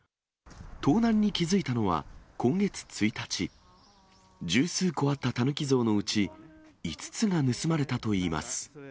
盗難に気付いたのは、今月１日、十数個あったタヌキ像のうち、５つが盗まれたといいます。